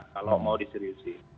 kalau mau diseriusi